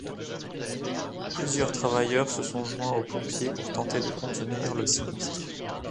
Plusieurs travailleurs se sont joints aux pompiers pour tenter de contenir le sinistre.